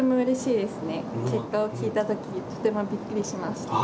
結果を聞いたとき、とてもびっくりしました。